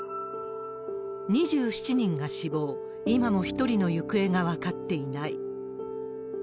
２７人が死亡、今も１人の行方が分かっていない。